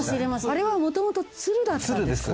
あれは元々鶴だったんですか。